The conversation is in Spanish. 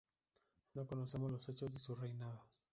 No conocemos los hechos de su reinado.